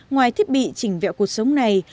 ngoài thiết bị chỉnh vẹo cuộc sống này